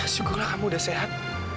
syukurlah kamu udah sehat